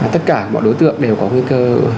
tất cả bọn đối tượng đều có nguy cơ